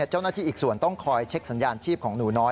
เจ้าหน้าที่อีกส่วนต้องคอยเช็คสัญญาณชีพของหนูน้อย